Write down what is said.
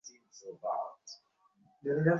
এতকাল পরে গৃহের বধূ শাশুড়ির পদতলের অধিকার পাইয়াছে।